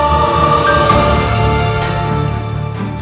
yang menjaga kekuasaan